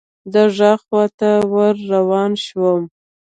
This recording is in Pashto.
د ږغ خواته ور روان شوم .